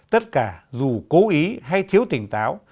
tất cả dù cố ý hay thiếu tỉnh táo